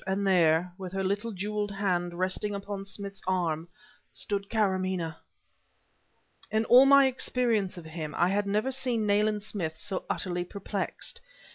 and there, with her little jeweled hand resting upon Smith's arm, stood Karamaneh! In all my experience of him, I had never seen Nayland Smith so utterly perplexed.